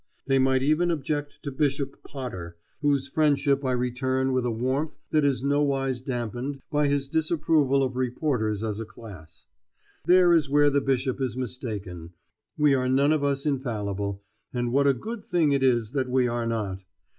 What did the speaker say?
They might even object to Bishop Potter, whose friendship I return with a warmth that is nowise dampened by his disapproval of reporters as a class. There is where the Bishop is mistaken; we are none of us infallible, and what a good thing it is that we are not.